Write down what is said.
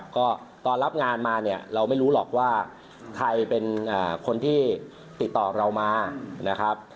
ก็ตอนรับงานมาเนี่ยเราไม่รู้หรอกว่าใครเป็นคนที่ติดต่อเรามานะครับ